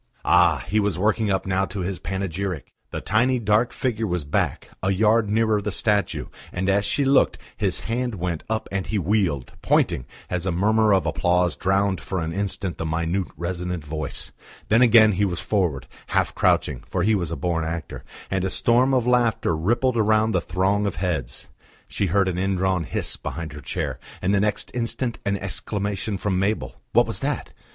Ah! he was working up now to his panegyric! The tiny dark figure was back, a yard nearer the statue, and as she looked, his hand went up and he wheeled, pointing, as a murmur of applause drowned for an instant the minute, resonant voice. Then again he was forward, half crouching for he was a born actor and a storm of laughter rippled round the throng of heads. She heard an indrawn hiss behind her chair, and the next instant an exclamation from Mabel.... What was that?